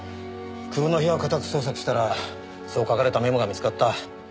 久保の部屋を家宅捜索したらそう書かれたメモが見つかった。